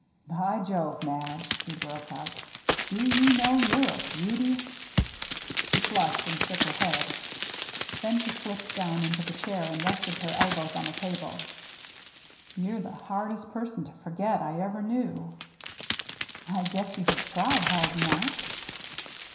" By Jove, Madge," he broke out, " do you know you're a beauty?" She flushed and shook her head. Then she slipped down into the chair, and rested her elbows on the table. " You're the hardest person to forget I ever knew." " I guess you have tried hard enough."